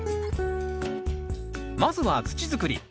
まずは土づくり。